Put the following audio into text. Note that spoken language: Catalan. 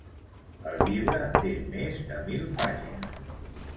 El llibre té més de mil pàgines.